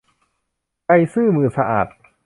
ใจซื่อมือสะอาด